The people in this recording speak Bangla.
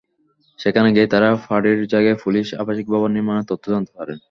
সেখানে গিয়েই তাঁরা ফাঁড়ির জায়গায় পুলিশ আবাসিক ভবন নির্মাণের তথ্য জানতে পারেন।